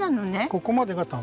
ここまで。